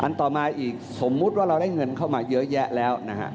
ต่อมาอีกสมมุติว่าเราได้เงินเข้ามาเยอะแยะแล้วนะฮะ